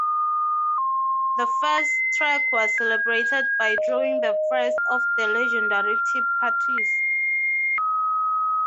The first track was celebrated by throwing the first of the legendary Tip parties.